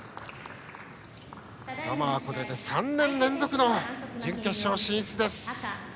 児玉はこれで３年連続の準決勝進出。